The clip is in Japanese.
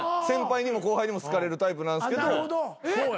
先輩にも後輩にも好かれるタイプなんすけど。